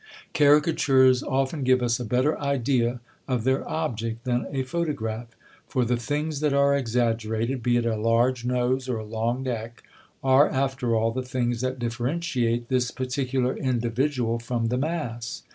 Caricatures often give us a better idea of their object than a photograph; for the things that are exaggerated, be it a large nose, or a long neck, are, after all, the things that differentiate this particular individual from the mass.